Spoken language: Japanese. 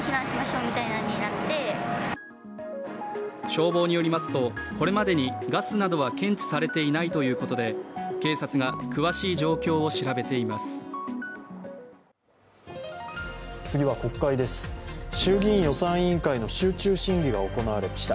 消防によりますとこれまでガスなどは検知されていないということで警察が詳しい状況を調べています。